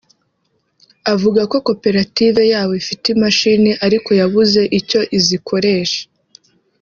avuga ko koperative yabo ifite imashini ariko yabuze icyo izikoresha